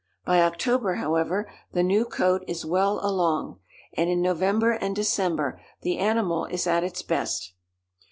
By October, however, the new coat is well along, and in November and December the animal is at its best.